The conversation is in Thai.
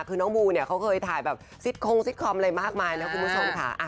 คือน้องบูเนี่ยเขาเคยถ่ายแบบซิตคงซิตคอมอะไรมากมายนะคุณผู้ชมค่ะ